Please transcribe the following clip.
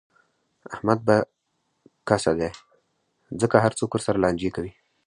احمد به کسه دی، ځکه هر څوک ورسره لانجې کوي.